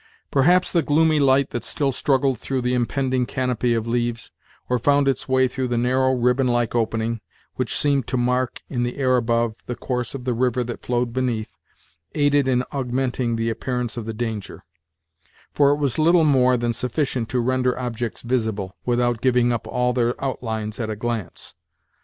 Perhaps the gloomy light that still struggled through the impending canopy of leaves, or found its way through the narrow, ribbon like opening, which seemed to mark, in the air above, the course of the river that flowed beneath, aided in augmenting the appearance of the danger; for it was little more than sufficient to render objects visible, without giving up all their outlines at a glance.